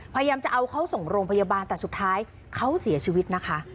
พยายามจะเอาเขาส่งโรงพยาบาลแต่สุดท้ายเขาเสียชีวิตนะคะ